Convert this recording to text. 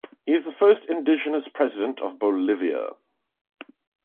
He is the first indigenous president of Bolivia.